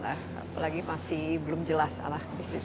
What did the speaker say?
apalagi masih belum jelas ala bisnis